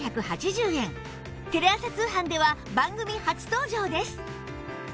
テレ朝通販では番組初登場です